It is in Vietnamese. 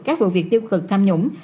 các vụ việc tiêu cực tham nhũng